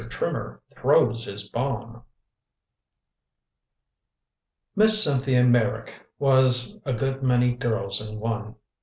TRIMMER THROWS HIS BOMB Miss Cynthia Meyrick was a good many girls in one.